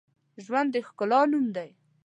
ژوند د ښکلا نوم دی